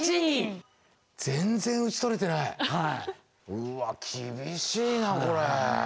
うわ厳しいなこれ。